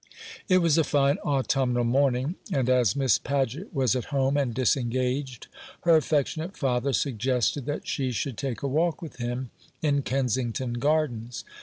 It was a fine autumnal morning, and as Miss Paget was at home and disengaged, her affectionate father suggested that she should take a walk with him in Kensington Gardens.